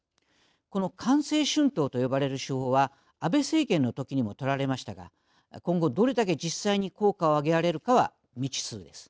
この官製春闘と呼ばれる手法は安倍政権のときにもとられましたが今後、どれだけ実際に効果を挙げられるかは未知数です。